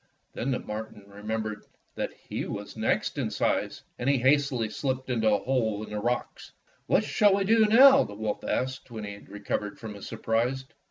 Then the marten remembered that he was the next in size, and he hastily slipped into a hole in the rocks. "What shall we do now?" the wolf asked when he had recovered from his surprise.